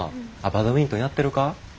バドミントンやってるか？